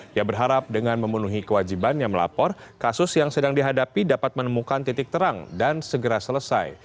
dia berharap dengan memenuhi kewajibannya melapor kasus yang sedang dihadapi dapat menemukan titik terang dan segera selesai